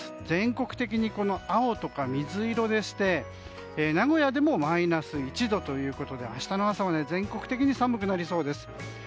全国的に青とか水色でして名古屋でもマイナス１度ということで明日の朝は全国的に寒くなりそうです。